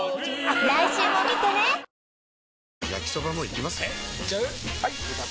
えいっちゃう？